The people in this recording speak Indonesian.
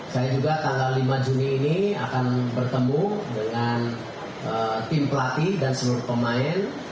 saya juga tanggal lima juni ini akan bertemu dengan tim pelatih dan seluruh pemain